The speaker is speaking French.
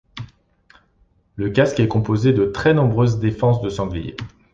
Le casque est composé de très nombreuses défenses de sanglier.